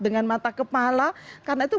dengan mata kepala karena itu